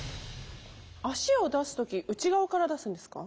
足を出す時内側から出すんですか？